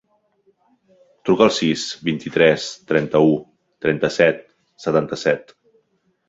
Truca al sis, vint-i-tres, trenta-u, trenta-set, setanta-set.